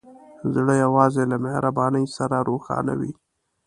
زړه یوازې له مهربانۍ سره روښانه وي.